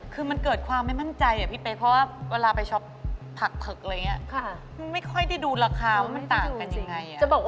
ทำกับข้าวถึงเราจะมีปวดแล้ว